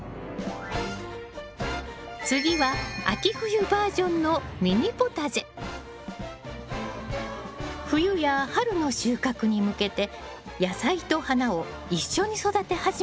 次は秋冬バージョンの冬や春の収穫に向けて野菜と花を一緒に育て始めたのよね。